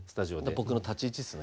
僕の立ち位置っすね